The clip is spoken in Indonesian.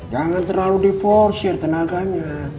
jangan terlalu berkuasa tenaganya